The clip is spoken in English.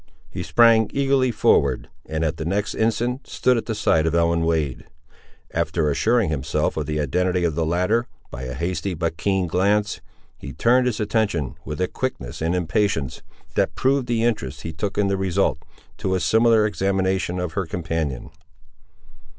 He sprang eagerly forward, and at the next instant stood at the side of Ellen Wade. After assuring himself of the identity of the latter, by a hasty but keen glance, he turned his attention, with a quickness and impatience, that proved the interest he took in the result, to a similar examination of her companion.